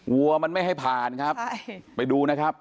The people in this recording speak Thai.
วัวมันไม่ให้ผ่านครับไปดูนะครับ